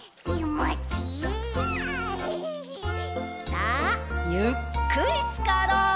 さあゆっくりつかろう！